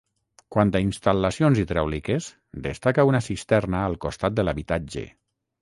Quant a instal·lacions hidràuliques destaca una cisterna al costat de l’habitatge.